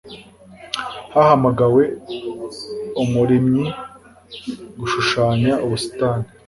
Hahamagawe umurimyi gushushanya ubusitani.